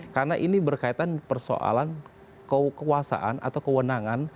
karena ini berkaitan persoalan kekuasaan atau kewenangan